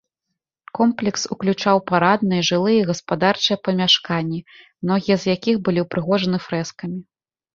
Комплекс уключаў парадныя, жылыя і гаспадарчыя памяшканні, многія з якіх былі ўпрыгожаны фрэскамі.